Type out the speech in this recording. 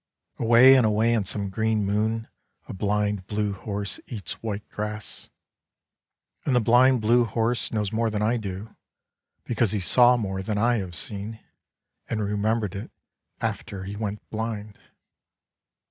" Away and away on some green moon a blind blue horse eats white grass And the blind blue horse knows more than I do because he saw more than I have seen and remembered it after he went blind.